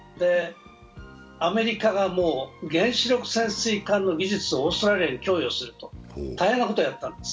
アメリカが原子力潜水艦の技術をオーストラリアに供与すると大変なことをやったんです。